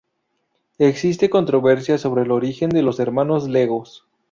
Existe controversia sobre el origen de los hermanos legos.